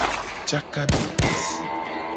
Caka ami ku si.